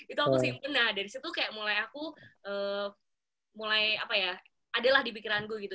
itu aku sih nah dari situ kayak mulai aku mulai apa ya adalah di pikiran gue gitu